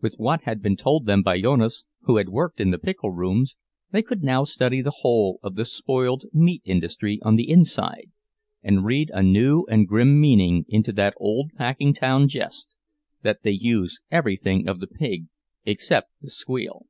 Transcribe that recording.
With what had been told them by Jonas, who had worked in the pickle rooms, they could now study the whole of the spoiled meat industry on the inside, and read a new and grim meaning into that old Packingtown jest—that they use everything of the pig except the squeal.